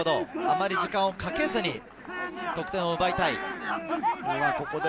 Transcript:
あまり時間をかけずに得点を奪いたい。